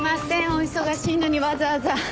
お忙しいのにわざわざ。